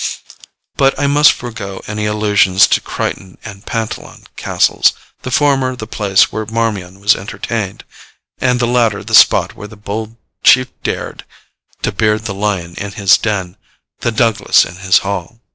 But I must forego any allusions to Crichton and Pantallon castles, the former the place where Marmion was entertained, and the latter the spot where the bold chief dared ' to beard the lion in his den, The Douglas in his hall.'